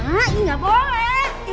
mak ini nggak boleh